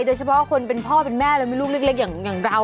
โดยเฉพาะคนเป็นพ่อเป็นแม่และมีลูกเล็กอย่างเรา